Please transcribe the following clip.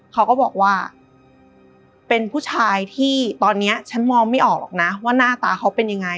เขาก็บอกว่าเป็นผู้ชายที่ตอนนี้ฉันมองไม่ออกหรอกนะว่าหน้าตาเขาเป็นยังไง